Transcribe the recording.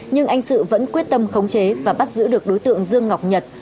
nhưng anh sự vẫn quyết tâm khống chế và bắt giữ được đối tượng dương ngọc nhật